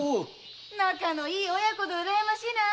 仲のいい親子でうらやましいな。